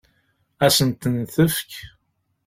Ad sen-ten-tefk?